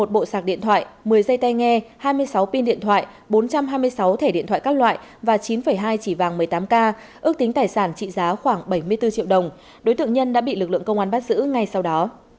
một bộ sạc điện thoại một mươi dây tay nghe hai mươi sáu pin điện thoại bốn trăm hai mươi sáu thẻ điện thoại các loại và chín hai chỉ vàng một mươi tám k ước tính tài sản trị giá khoảng bảy mươi bốn triệu đồng đối tượng nhân đã bị lực lượng công an bắt giữ ngay sau đó